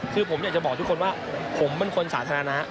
คือผมอยากจะบอกทุกคนว่าผมเป็นคนสาธารณะ